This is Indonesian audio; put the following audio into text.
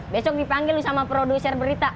besok dipanggil sama produser berita